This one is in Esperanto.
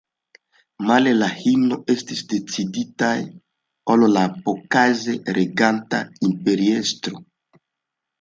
Male la himnoj estis dediĉitaj al la pokaze reganta imperiestro.